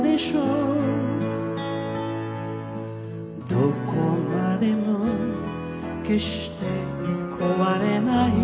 何処までも決して壊れない